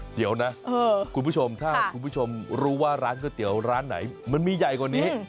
เดี๋ยวนะคุณผู้ชมถ้าคุณผู้ชมรู้ว่าร้านก๋วยเตี๋ยวร้านไหนมันมีใหญ่กว่านี้